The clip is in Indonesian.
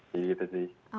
jadi gitu sih